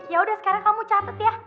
yaudah sekarang kamu catet ya